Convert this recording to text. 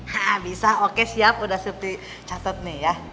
nah bisa oke siap udah seperti catet nih ya